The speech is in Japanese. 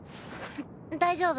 大丈夫。